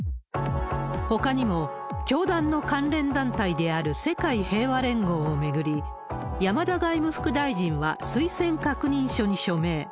ほかにも、教団の関連団体である世界平和連合を巡り、山田外務副大臣は推薦確認書に署名。